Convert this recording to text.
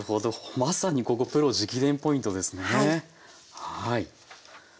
まさにここプロ直伝ポイントですね。